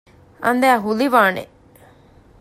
އަނދައި ހުލިވާނެ